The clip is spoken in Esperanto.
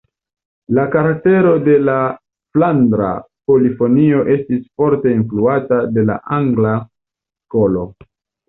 La karaktero de la flandra polifonio estis forte influata de la Angla Skolo.